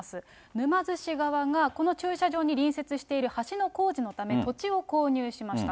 沼津市側が、この駐車場に隣接している橋の工事のため、土地を購入しました。